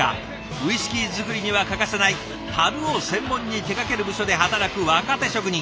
ウイスキーづくりには欠かせない樽を専門に手がける部署で働く若手職人